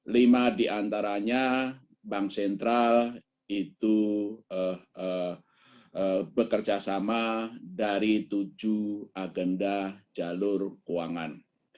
lima diantaranya bank sentral itu bekerjasama dari tujuh agenda jalur keuangan